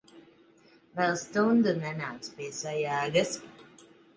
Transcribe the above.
Vēl stundu nenāks pie sajēgas.